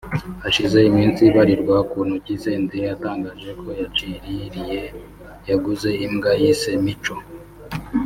Hashize iminsi ibarirwa ku ntoki Senderi atangaje ko yaciririye [yaguze] imbwa yise ‘Mico’